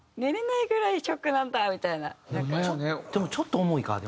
でもちょっと重いか。